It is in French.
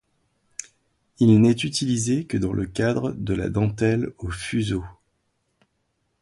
Il n’est utilisé que dans le cadre de la dentelle aux fuseaux.